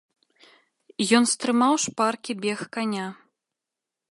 Ён стрымаў шпаркі бег каня.